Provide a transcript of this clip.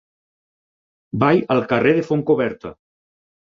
Vaig al carrer de Fontcoberta.